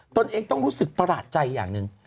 ตัวเองต้องรู้สึกประหลาดใจอย่างหนึ่ง